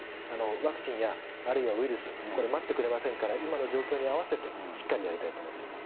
ワクチンや、あるいはウイルス、これ、待ってくれませんから、今の状況に合わせてしっかりやりたいと思っています。